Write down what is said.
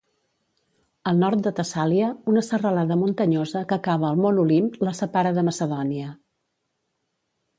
Al nord de Tessàlia, una serralada muntanyosa que acaba al mont Olimp la separa de Macedònia.